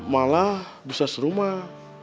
malah bisa serumah